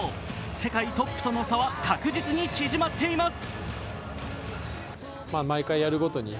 世界トップとの差は確実に縮まっています。